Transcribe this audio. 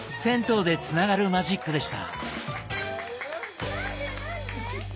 銭湯でつながるマジックでした。